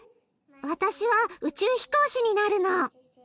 私は宇宙飛行士になるの。